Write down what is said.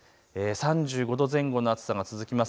３５度前後の暑さ、続きそうです。